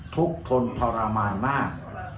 ทุกคนทรมานมาก